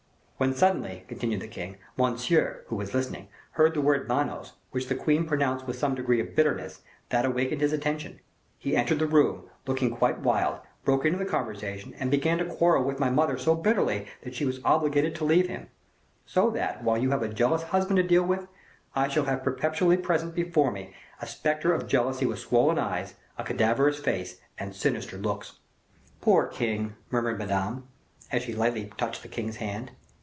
"When, suddenly," continued the king, "Monsieur, who was listening, heard the word 'banos,' which the queen pronounced with some degree of bitterness, that awakened his attention; he entered the room, looking quite wild, broke into the conversation, and began to quarrel with my mother so bitterly that she was obliged to leave him; so that, while you have a jealous husband to deal with, I shall have perpetually present before me a specter of jealousy with swollen eyes, a cadaverous face, and sinister looks." "Poor king," murmured Madame, as she lightly touched the king's hand.